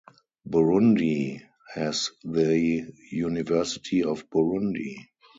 Burundi has the University of Burundi.